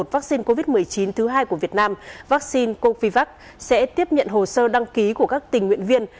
vaccine covid một mươi chín thứ hai của việt nam vaccine covid sẽ tiếp nhận hồ sơ đăng ký của các tình nguyện viên